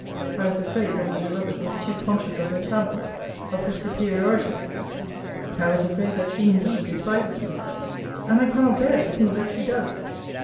I was afraid, that my beloved was too conscious of her talents; of her superiority! I was afraid that she indeed despises me. And I cannot bear to think that she does.